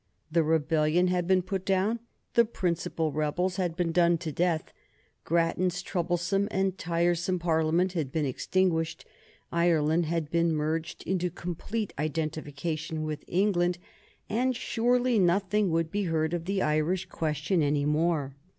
The rebellion had been put down, the principal rebels had been done to death, Grattan's troublesome and tiresome Parliament had been extinguished, Ireland had been merged into complete identification with England, and surely nothing would be heard of the Irish question any more.